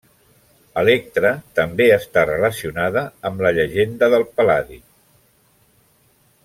Electra també està relacionada amb la llegenda del Pal·ladi.